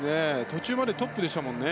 途中までトップでしたもんね